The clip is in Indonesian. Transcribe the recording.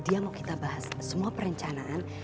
dia mau kita bahas semua perencanaan